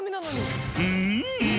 うん？